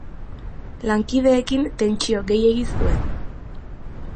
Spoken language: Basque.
Lankideekin tentsio gehiegi zuen.